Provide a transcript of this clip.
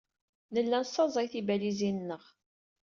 Nella nessaẓay tibalizin-nneɣ.